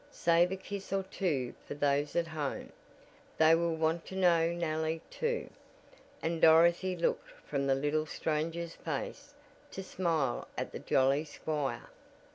Save a kiss or two for those at home. They will want to know Nellie, too," and Dorothy looked from the little stranger's face to smile at the jolly squire.